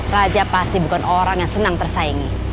raja pasti bukan orang yang senang tersaingi